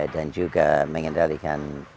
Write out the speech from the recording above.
dan juga mengendalikan